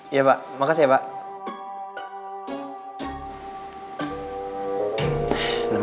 iya pak makasih ya pak